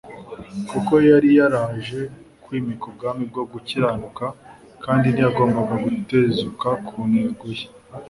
Kuko yari yaraje kwimika ubwami bwo gukiranuka, kandi ntiyagombaga gutezuka ku ntego ye.